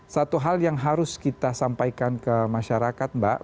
satu hal yang harus kita sampaikan ke masyarakat mbak